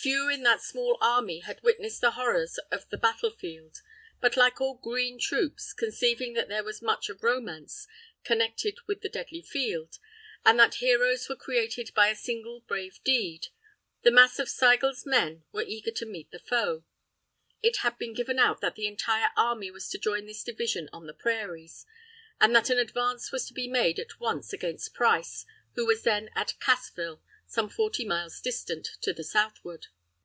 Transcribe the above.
Few in that small army had witnessed the horrors of the battle field; but, like all "green" troops, conceiving that there was much of romance connected with the deadly field, and that heroes were created by a single brave deed, the mass of Sigel's men were eager to meet the foe. It had been given out that the entire army was to join this division on the prairies, and that an advance was to be made at once against Price, who was then at Cassville, some forty miles distant, to the southward.